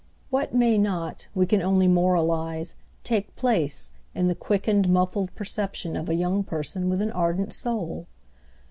What may not, we can only moralise, take place in the quickened muffled perception of a young person with an ardent soul?